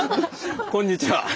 こんにちは。